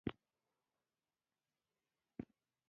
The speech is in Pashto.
• ژړا د دردونو درملنه کوي.